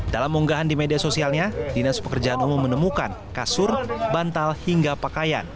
dalam unggahan di media sosialnya dinas pekerjaan umum menemukan kasur bantal hingga pakaian